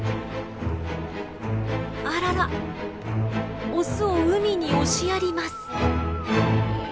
あららオスを海に押しやります。